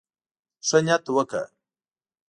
ښه نيت وکړه.